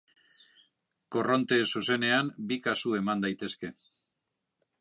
Korronte zuzenean bi kasu eman daitezke.